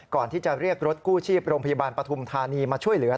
ก่อนที่จะเรียกรถกู้ชีพโรงพยาบาลปฐุมธานีมาช่วยเหลือ